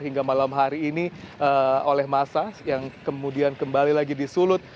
hingga malam hari ini oleh masa yang kemudian kembali lagi disulut